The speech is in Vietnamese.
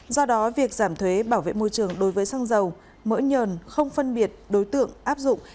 do đó việc giảm thuế bảo vệ môi trường đối với xăng dầu mỡ nhờn không phân biệt đối tượng áp dụng